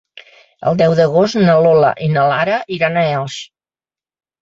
El deu d'agost na Lola i na Lara iran a Elx.